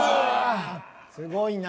すごいな。